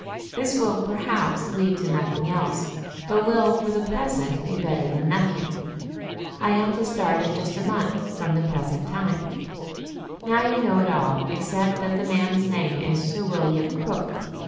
This will, perhaps, lead to nothing else, but will for the present be better than nothing. I am to start in just a month from the present time. "Now you know it all except that the man's name is Sir William Crook.